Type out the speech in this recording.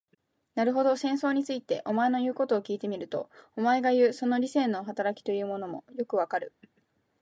なるほど、戦争について、お前の言うことを聞いてみると、お前がいう、その理性の働きというものもよくわかる。